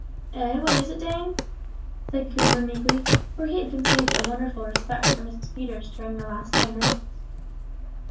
"Eh, what is it, dame?" said Coomber, meekly; for he had conceived a wonderful respect for Mrs. Peters during the last ten minutes.